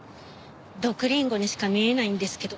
毒リンゴにしか見えないんですけど。